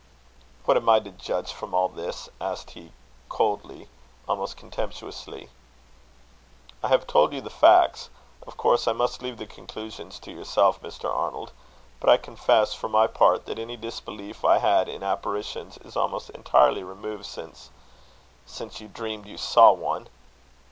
"What am I to judge from all this?" asked he, coldly, almost contemptuously. "I have told you the facts; of course I must leave the conclusions to yourself, Mr. Arnold; but I confess, for my part, that any disbelief I had in apparitions is almost entirely removed since " "Since you dreamed you saw one?"